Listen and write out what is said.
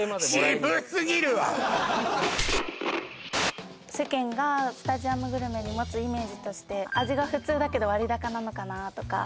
シブすぎるわ世間がスタジアムグルメに持つイメージとして味が普通だけど割高なのかなあとか